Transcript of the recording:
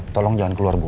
tolong jangan keluar bu